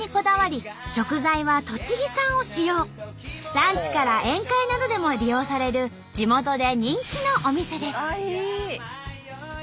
ランチから宴会などでも利用される地元で人気のお店です。